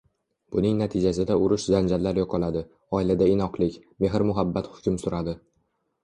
Buning natijasida urush–janjallar yo‘qoladi, oilada inoqlik, mehr-muhabbat hukm suradi